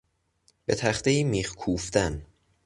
به تختهای میخ کوفتن